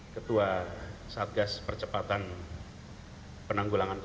ketua satgas percepatan penanggulangan covid sembilan belas